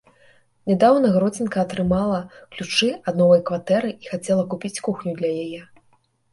Нядаўна гродзенка атрымала ключы ад новай кватэры і хацела купіць кухню для яе.